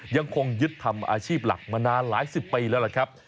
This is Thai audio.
ยังคงยึดทำอาชีพหลักมานานหลายสิบปีแล้วล่ะครับ